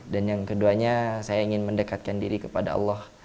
dan yang keduanya saya ingin mendekatkan diri kepada allah